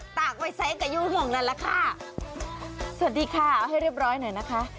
ตากไว้ใช้กับยู่ห่วงนั่นแหละค่ะสวัสดีค่ะเอาให้เรียบร้อยหน่อยนะคะ